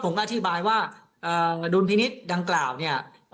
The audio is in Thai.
อธิบายว่าดุลพินิษฐ์ดังกล่าวเนี่ย